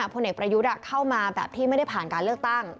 พลเอกประยุทธ์เข้ามาแบบที่ไม่ได้ผ่านการเลือกตั้ง